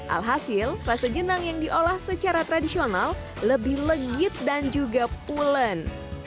alhasil fase jenang yang diolah secara tradisional lebih legit dan juga pulen